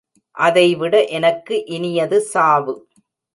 அதை விட எனக்கு இனியது சாவு!